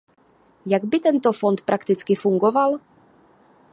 Jak by tento fond prakticky fungoval?